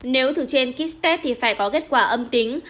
nếu từ trên kit test thì phải có kết quả âm tính